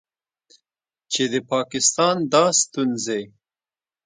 چې د پاکستان دا ستونځې